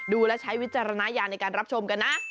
ดูแล้วใช้วิจารณญาณในการรับชมกันนะ